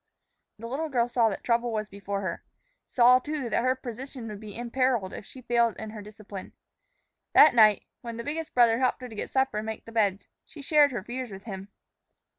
The little girl saw that trouble was before her, saw, too, that her position would be imperiled if she failed in her discipline. That night, when the biggest brother helped her to get supper and make the beds, she shared her fears with him.